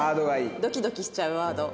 ドキドキしちゃうワード。